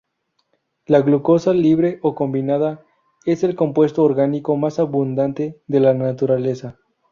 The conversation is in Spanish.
La glucosa, libre o combinada, es el compuesto orgánico más abundante de la naturaleza.